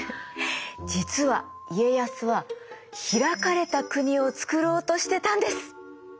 実は家康は開かれた国をつくろうとしてたんです！